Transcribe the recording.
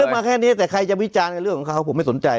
มาแค่นี้แต่ใครจะวิจารณ์กับเรื่องของเขาผมไม่สนใจ